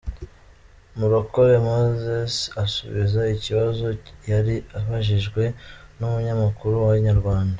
Murokore Moses asubiza ikibazo yari abajijwe n'umunyamakuru wa Inyarwanda.